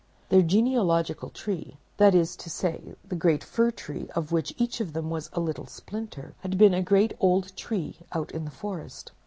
Their genealogical tree, that is to say, the great fir tree of which each of them was a little splinter, had been a great old tree out in the forest.